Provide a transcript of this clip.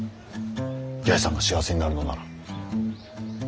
八重さんが幸せになるのなら。